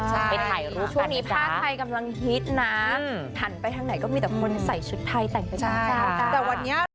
ไปถ่ายรูปกันนะจ๊ะช่วงนี้ผ้าไทยกำลังฮิตนะถันไปทางไหนก็มีแต่คนใส่ชุดไทยแต่งไปมากจ๊ะ